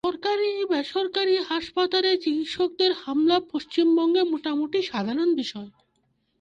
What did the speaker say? সরকারি ও বেসরকারি হাসপাতালের চিকিৎসকদের হামলা পশ্চিমবঙ্গে মোটামুটি সাধারণ বিষয়।